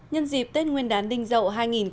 nhân dịp tết nguyên đán đinh dậu